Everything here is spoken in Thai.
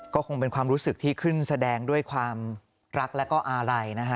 ก็คงเป็นความรู้สึกที่ขึ้นแสดงด้วยความรักแล้วก็อาลัยนะฮะ